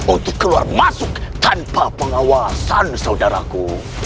untuk keluar masuk tanpa pengawasan saudaraku